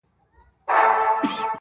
o د گريوان ډورۍ ته دادی ځان ورسپاري.